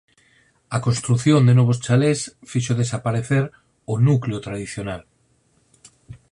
A construción de novos chalés fixo desaparecer o núcleo tradicional.